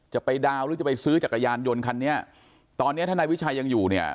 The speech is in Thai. จะไปดาวน์หรือจะไปซื้อจักรยานยนต์คันนี้ตอนเนี้ยถ้านายวิชัยยังอยู่เนี่ย